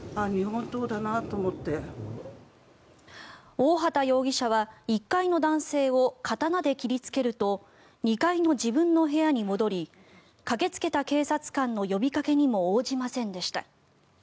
大畑容疑者は１階の男性を刀で切りつけると２階の自分の部屋に戻り駆けつけた警察官の呼びかけにも応じませんでした。